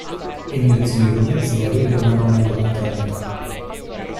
E mio zio e mia zia vivevano nell'altra metà.